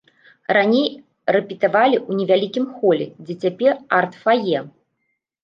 Раней рэпетавалі ў невялікім холе, дзе цяпер арт-фае.